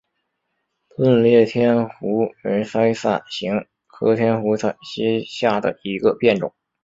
钝裂天胡荽为伞形科天胡荽属下的一个变种。